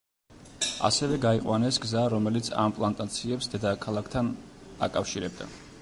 ასევე გაიყვანეს გზა, რომელიც ამ პლანტაციებს დედაქალაქთან აკავშირებდა.